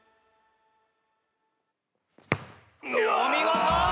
お見事！